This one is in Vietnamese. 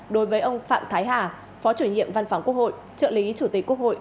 đối với ông phạm thái hà phó chủ nhiệm văn phòng quốc hội trợ lý chủ tịch quốc hội